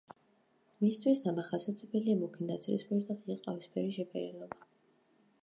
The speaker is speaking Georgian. მისთვის დამახასიათებელია მუქი ნაცრისფერი და ღია ყავისფერი შეფერილობა.